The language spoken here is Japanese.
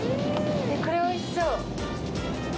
これ、おいしそう。